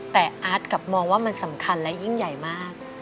แต่อาร์ตกลับมองว่ามันสำคัญและยิ่งใหญ่มาก